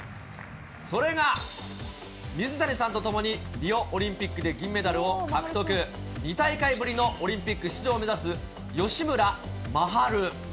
それが、水谷さんとともにリオオリンピックで銀メダルを獲得、２大会ぶりのオリンピック出場を目指す吉村真晴。